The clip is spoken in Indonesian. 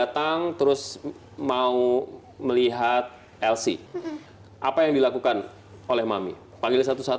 datang terus mau melihat lc apa yang dilakukan oleh mami panggil satu satu